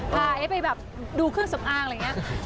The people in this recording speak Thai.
ไอ้ไปแบบดูเครื่องสำอางอะไรอย่างนี้